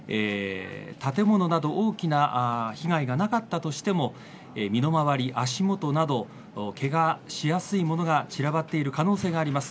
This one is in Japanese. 建物など大きな被害がなかったとしても身の周り、足元などケガしやすいものが散らばっている可能性があります。